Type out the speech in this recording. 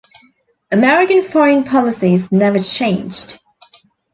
American foreign policy's never changed.